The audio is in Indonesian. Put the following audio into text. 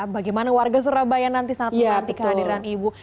bagaimana warga surabaya nanti sangat menanti kehadiran ibu